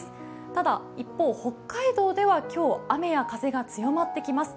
ただ、一方、北海道では今日、雨や風が強まってきます。